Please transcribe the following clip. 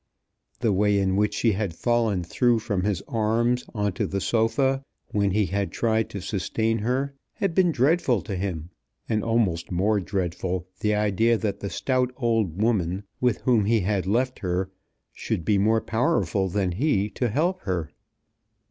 The way in which she had fallen through from his arms on to the sofa when he had tried to sustain her, had been dreadful to him; and almost more dreadful the idea that the stout old woman with whom he had left her should be more powerful than he to help her.